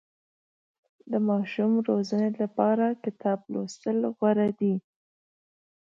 د ماشوم روزنې لپاره کتاب لوستل غوره دي.